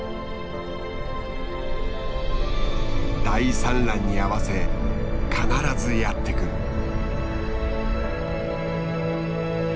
大産卵に合わせ必ずやって来る。